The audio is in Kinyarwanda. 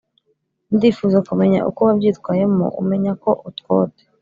ndifuza kumenya uko wabyitwayemo umenya ko utwote